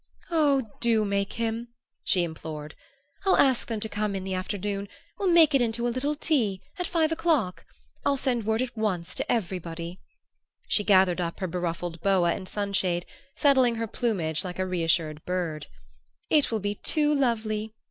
"Oh, do make him!" she implored. "I'll ask them to come in the afternoon we'll make it into a little tea a five o'clock. I'll send word at once to everybody!" She gathered up her beruffled boa and sunshade, settling her plumage like a reassured bird. "It will be too lovely!"